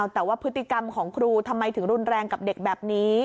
แต่ว่าพฤติกรรมของครูทำไมถึงรุนแรงกับเด็กแบบนี้